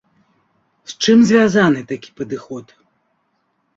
З чым звязаны такі падыход?